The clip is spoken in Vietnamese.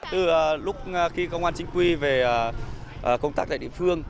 từ lúc khi công an chính quy về công tác tại địa phương